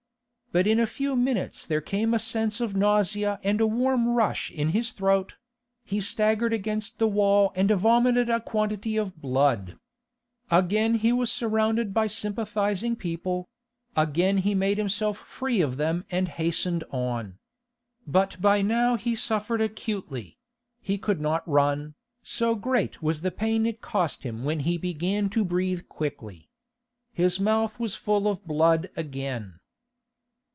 But in a few minutes there came a sense of nausea and a warm rush in his throat; he staggered against the wall and vomited a quantity of blood. Again he was surrounded by sympathising people; again he made himself free of them and hastened on. But by now he suffered acutely; he could not run, so great was the pain it cost him when he began to breathe quickly. His mouth was full of blood again.